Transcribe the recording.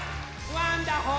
「ワンダホー！」